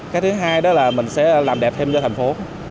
cái thứ hai đó là mình sẽ làm đẹp thêm cho thành phố